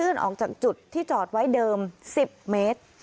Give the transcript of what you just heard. ออกจากจุดที่จอดไว้เดิม๑๐เมตร